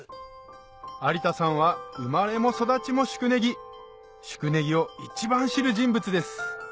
有田さんは生まれも育ちも宿根木宿根木を一番知る人物です